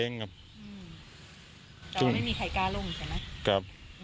แต่ว่าไม่มีใครการลุ่งใช่ไหมกรับ